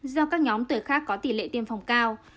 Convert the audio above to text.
do các nhóm tuổi khác có tỷ lệ tiêm phòng cao